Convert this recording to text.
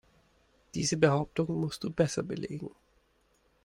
Diese Behauptung musst du besser belegen.